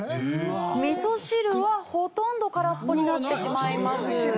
みそ汁はほとんど空っぽになってしまいます。